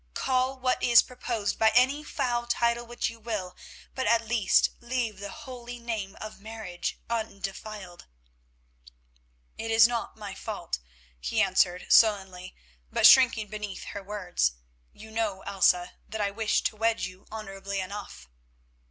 Call what is proposed by any foul title which you will, but at least leave the holy name of marriage undefiled." "It is not my fault," he answered sullenly, but shrinking beneath her words. "You know, Elsa, that I wished to wed you honourably enough."